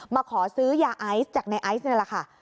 มาขอซื้อยาไอซ์จากในไอซ์นี่แหละค่ะ